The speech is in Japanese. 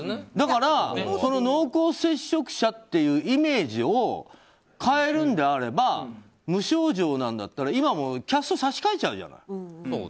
だから濃厚接触者というイメージを変えるんであれば無症状なんだったら今もキャスト差し替えちゃうじゃん。